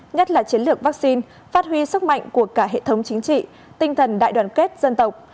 nhất là chiến lược vaccine phát huy sức mạnh của cả hệ thống chính trị tinh thần đại đoàn kết dân tộc